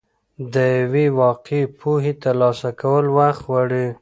د یوې واقعي پوهې ترلاسه کول وخت غواړي.